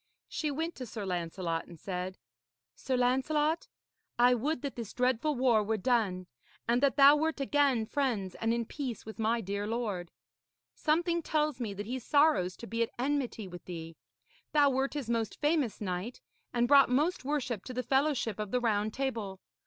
She went to Sir Lancelot, and said: 'Sir Lancelot, I would that this dreadful war were done, and that thou wert again friends and in peace with my dear lord. Something tells me that he sorrows to be at enmity with thee. Thou wert his most famous knight and brought most worship to the fellowship of the Round Table.